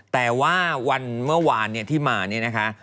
แต่ว่าวันเมื่อวานที่มาเนี่ยนะคะ